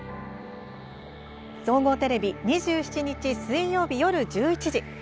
総合テレビ、２７日水曜日、夜１１時。